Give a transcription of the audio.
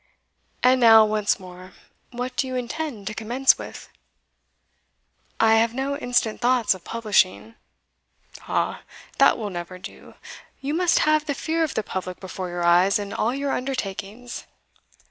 And now, once more, what do you intend to commence with?" "I have no instant thoughts of publishing." "Ah! that will never do; you must have the fear of the public before your eyes in all your undertakings.